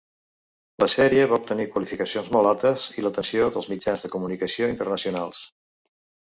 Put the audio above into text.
La sèrie va obtenir qualificacions molt altes i l'atenció dels mitjans de comunicació internacionals.